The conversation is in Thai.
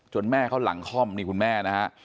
จนแม่เขาหลังค่อมนี่คุณแม่